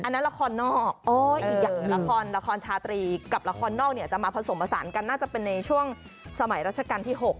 อันด้านละครนอกละครชาตรีกับละครนอกเนี่ยมาผสมประสานกันน่าจะในช่วงสมัยรัชกรรมที่๖